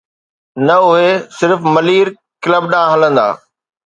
نه، اهي صرف ملير ڪلب ڏانهن هلندا.